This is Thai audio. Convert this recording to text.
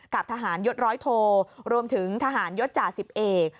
กับทหารยศร้อยโทรวมถึงทหารยศจ่าสิบเอก